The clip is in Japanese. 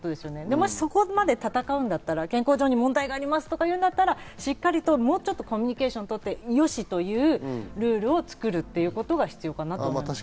もしそこまで戦うんだったら、健康上に問題があるんですとか言うなら、しっかりもうちょっとコミュニケーションを取って、よしというルールを作るということは大事だと思います。